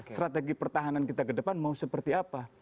strategi pertahanan kita kedepan mau seperti apa